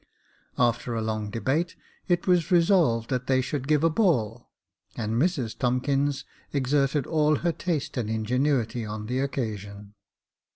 After a long debate, it was resolved that they should give a ball, and Mrs Tomkins exerted all her taste and ingenuity on the occasion.